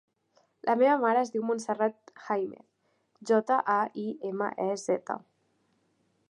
La meva mare es diu Montserrat Jaimez: jota, a, i, ema, e, zeta.